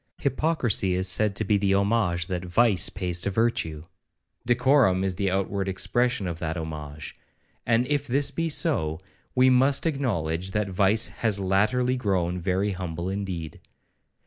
Hypocrisy is said to be the homage that vice pays to virtue,—decorum is the outward expression of that homage; and if this be so, we must acknowledge that vice has latterly grown very humble indeed.